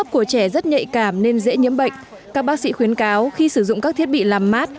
các bác sĩ khuyến cáo khi sử dụng các thiết bị làm mát